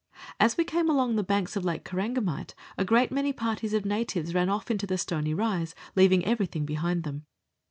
As we came along the banks of Lake Korangamite a great many parties of natives ran off into the stony rise, leaving everything behind them.